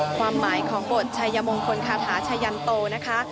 ความหมายของบทชัยมงคลคาถาชายันโตนะคะ